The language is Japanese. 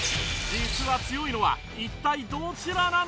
実は強いのは一体どちらなのか？